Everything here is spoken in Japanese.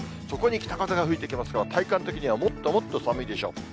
そこに北風が吹いてきますので、体感的にはもっともっと寒いでしょう。